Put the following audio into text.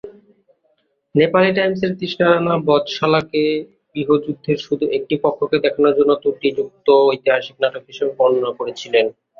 নেপালি টাইমসের তৃষ্ণা রানা "বধশালা"কে গৃহযুদ্ধের শুধু একটি পক্ষকে দেখানোর জন্য "ত্রুটিযুক্ত ঐতিহাসিক নাটক" হিসেবে বর্ণনা করেছিলেন।